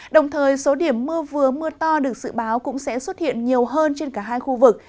đồng thời số điểm mưa vừa mưa to được dự báo cũng sẽ xuất hiện nhiều hơn trên cả hai khu vực